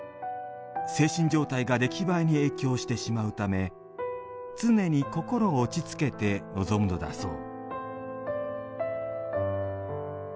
精神状態が出来栄えに影響してしまうため常に心を落ち着けて臨むのだそう。